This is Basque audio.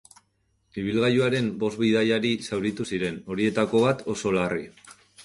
Ibilgailuaren bost bidaiari zauritu ziren, horietako bat, oso larri.